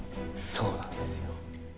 そうなんですよ。